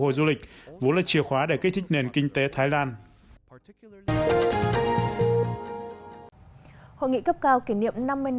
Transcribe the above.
hồi du lịch vốn là chìa khóa để kích thích nền kinh tế thái lan hội nghị cấp cao kỷ niệm năm mươi năm